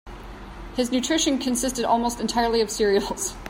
His nutrition consisted almost entirely of cereals.